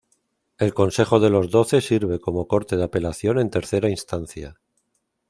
El Consejo de los Doce sirve como corte de apelación en tercera instancia.